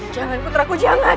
jangan putraku jangan